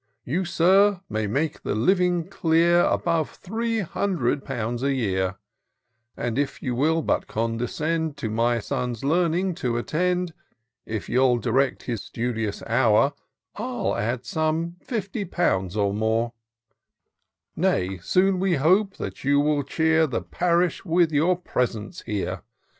You, Sir, may make the living clear Above three hundred pounds a year; And if you will but condescend To my Son's learning to attend ; If you'U direct his studious hour, I'U add some fifty pounds or more : Nay, soon we hope that you will cheer The parish with your presence here.